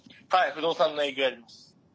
不動産の営業やります。